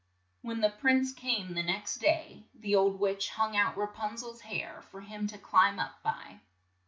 When the prince came the next day, the old witch hung out Ra pun zel's hair for him to climb up by.